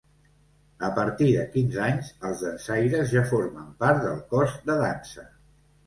A partir de quinze anys, els dansaires ja formen part del cos de dansa.